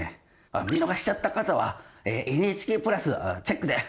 あっ見逃しちゃった方はＮＨＫプラスチェックで！